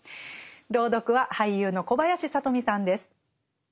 朗読は俳優の小林聡美さんです。